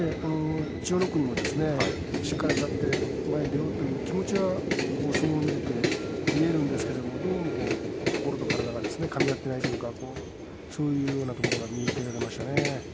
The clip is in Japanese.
千代の国もしっかりあたって前に出ようという気持ちは相撲を見ていて見えるんですけれども、どうも心と体がかみ合っていないというかそういうようなところが見受けられましたね。